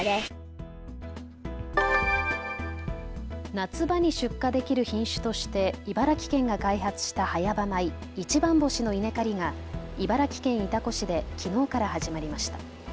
夏場に出荷できる品種として茨城県が開発した早場米、一番星の稲刈りが茨城県潮来市できのうから始まりました。